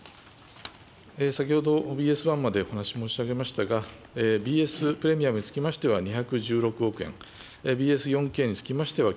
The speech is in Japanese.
先ほどＢＳ１までお話し申し上げましたが、ＢＳプレミアムにつきましては２１６億円、ＢＳ４Ｋにつきましては